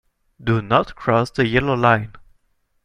Do not cross the yellow line.